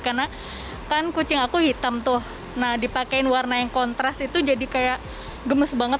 kan medicine kucing aku hitam dipakai warna yang kontras itu jadi gemes banget